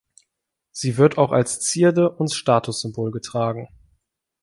Sie wird auch als Zierde und Statussymbol getragen.